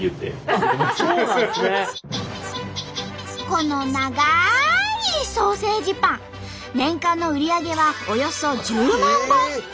この長いソーセージパン年間の売り上げはおよそ１０万本。